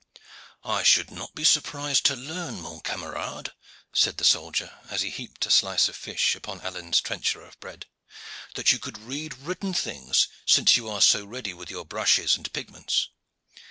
"I should not be surprised to learn, mon camarade," said the soldier, as he heaped a slice of fish upon Alleyne's tranchoir of bread, "that you could read written things, since you are so ready with your brushes and pigments."